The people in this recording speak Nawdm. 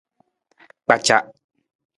Kpaca.